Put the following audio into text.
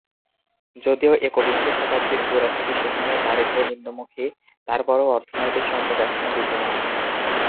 যদিও একবিংশ শতাব্দির গোড়া থেকে সেখানে দারিদ্র্য নিম্নমুখী, তারপরও অর্থনৈতিক সংকট এখনো বিদ্যমান।